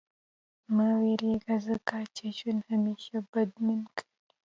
• مه وېرېږه، ځکه چې ژوند همېشه بدلون کوي.